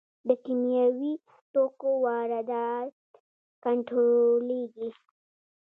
د کیمیاوي توکو واردات کنټرولیږي؟